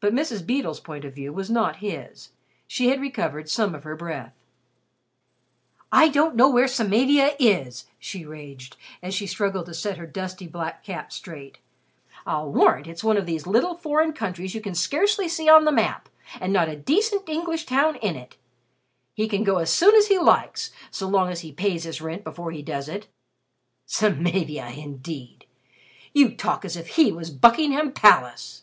But Mrs. Beedle's point of view was not his. She had recovered some of her breath. "I don't know where Samavia is," she raged, as she struggled to set her dusty, black cap straight. "I'll warrant it's one of these little foreign countries you can scarcely see on the map and not a decent English town in it! He can go as soon as he likes, so long as he pays his rent before he does it. Samavia, indeed! You talk as if he was Buckingham Palace!"